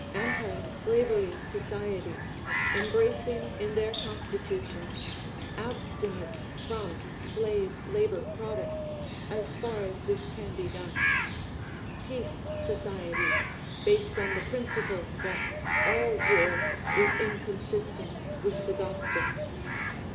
Anti Slavery Societies, embracing in their Constitutions, abstinence from slave labor products, as far as this can be done. Peace Societies, based on the principle that all war is inconsistent with the gospel.